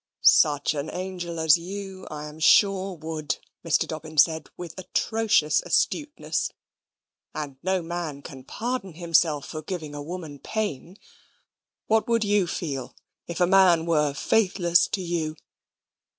"Such an angel as YOU I am sure would," Mr. Dobbin said, with atrocious astuteness. "And no man can pardon himself for giving a woman pain. What would you feel, if a man were faithless to you?"